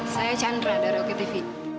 saya chandra dari oketv